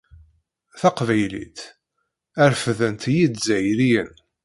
Taqbaylit refden-tt yizzayriyen.